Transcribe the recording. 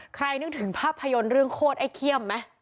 ใครนึกถึงภาพยนตร์เรื่องโคตรไอ้เคียมมั้ย